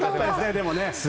でもね。